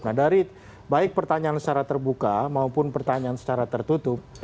nah dari baik pertanyaan secara terbuka maupun pertanyaan secara tertutup